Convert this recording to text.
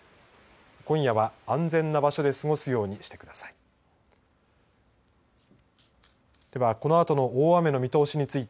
今夜は安全な場所で過ごすようにしてください。